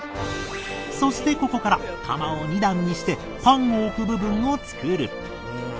そしてここから窯を２段にしてパンを置く部分を作る